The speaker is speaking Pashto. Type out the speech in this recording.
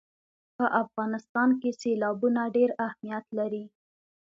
په افغانستان کې سیلابونه ډېر اهمیت لري.